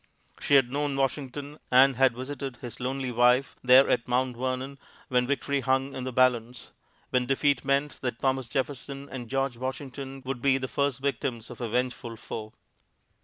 She had known Washington, and had visited his lonely wife there at Mount Vernon when victory hung in the balance; when defeat meant that Thomas Jefferson and George Washington would be the first victims of a vengeful foe.